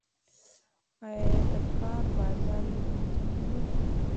آیا د کار بازار یې منظم نه دی؟